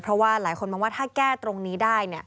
เพราะว่าหลายคนมองว่าถ้าแก้ตรงนี้ได้